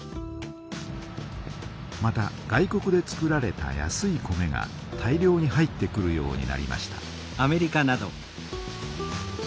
また外国で作られた安い米が大量に入ってくるようになりました。